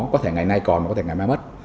có thể ngày nay còn có thể ngày mai mất